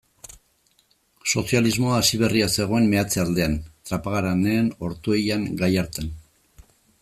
Sozialismoa hasi berria zegoen meatze-aldean, Trapagaranen, Ortuellan, Gallartan.